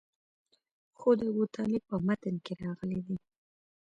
خو د ابوطالب په متن کې راغلي دي.